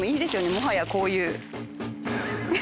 もはやこういう。